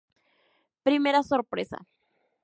Primera sorpresa".